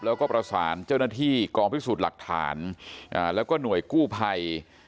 แล้วก็ประสานเจ้าหน้าที่กองพิสูจน์หลักฐานแล้วก็หน่วยกู้ภัย